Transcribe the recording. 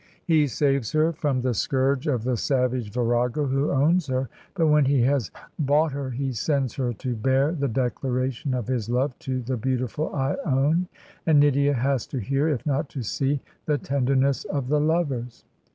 He saves her from the scourge of the savage virago who owns her, but when he has bought her he sends her to bear the declaration of his love to the beautiful lone; and Nydia has to hear, if not to see, the tenderness of the lovers.